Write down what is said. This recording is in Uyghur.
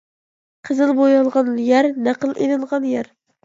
قىزىل بويالغان يەر نەقىل ئېلىنغان يەر.